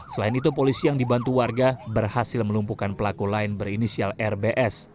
selain itu polisi yang dibantu warga berhasil melumpuhkan pelaku lain berinisial rbs